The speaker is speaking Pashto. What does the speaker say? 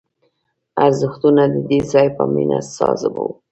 ارزښتونه د دې ځای په مینه ساز وو